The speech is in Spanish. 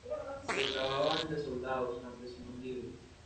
Se trataban de soldados-campesinos libres.